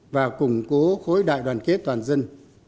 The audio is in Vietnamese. và củng cố khối đại đoàn kết toàn dân